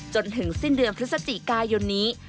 จนถึงสิ้นเดือนพฤศจิกายนนี้